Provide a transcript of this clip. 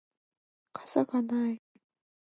傘がない